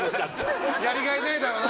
やりがいないだろうな。